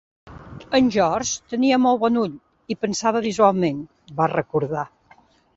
"En George tenia molt bon ull, i pensava visualment", va recordar.